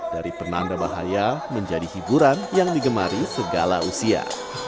dari penanda bahaya menjadi hiburan yang digemari segala usia